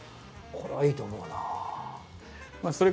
これはいいと思うなぁ。